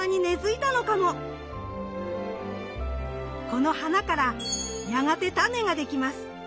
この花からやがてタネができます。